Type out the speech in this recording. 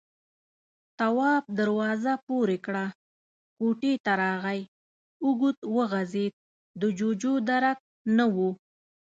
تواب دروازه پورې کړه، کوټې ته راغی، اوږد وغځېد، د جُوجُو درک نه و.